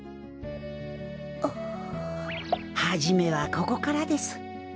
はじめはここからです。